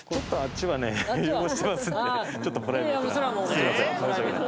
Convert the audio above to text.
すいません申し訳ない。